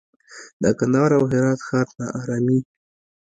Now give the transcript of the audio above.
د کندهار او هرات ښار ناارامي